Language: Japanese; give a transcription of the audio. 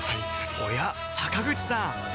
おや坂口さん